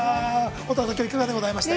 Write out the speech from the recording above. ◆乙葉さん、きょういかがでございましたか？